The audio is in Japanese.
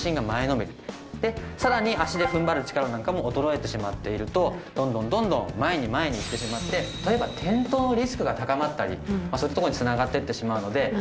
さらに足で踏ん張る力なんかも衰えてしまっているとどんどんどんどん前に前に行ってしまって例えば転倒のリスクが高まったりまあそういったところに繋がっていってしまうので。